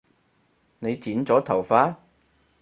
你剪咗頭髮？